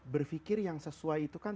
berpikir yang sesuai itu kan